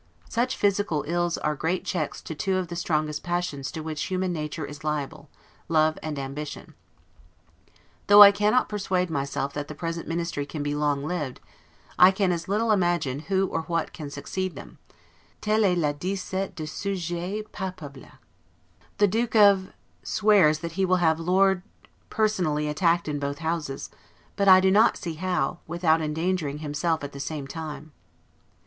Such physical ills are great checks to two of the strongest passions to which human nature is liable, love and ambition. Though I cannot persuade myself that the present ministry can be long lived, I can as little imagine who or what can succeed them, 'telle est la disette de sujets papables'. The Duke of swears that he will have Lord personally attacked in both Houses; but I do not see how, without endangering himself at the same time.